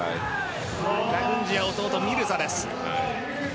ラグンジヤ弟・ミルザです。